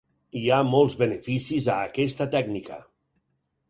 Hi ha molts beneficis a aquesta tècnica.